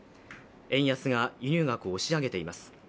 円安が輸入額を押し上げています。